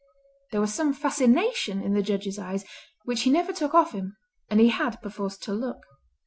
There was some fascination in the Judge's eyes, which he never took off him, and he had, perforce, to look.